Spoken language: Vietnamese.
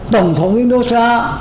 tổng thống indonesia